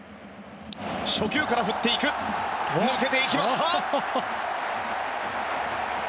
初球から振っていく抜けていきました！